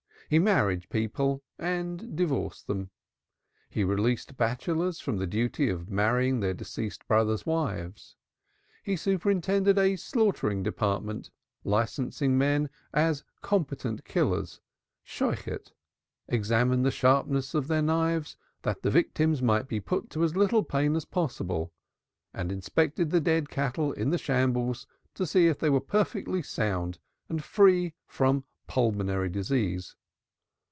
He married people and divorced them. He released bachelors from the duty of marrying their deceased brothers' wives. He superintended a slaughtering department, licensed men as competent killers, examined the sharpness of their knives that the victims might be put to as little pain as possible, and inspected dead cattle in the shambles to see if they were perfectly sound and free from pulmonary disease.